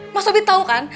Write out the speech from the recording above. mas robi tau kan